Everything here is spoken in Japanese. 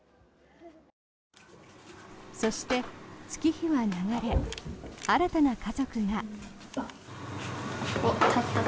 そして、月日は流れ新たな家族が。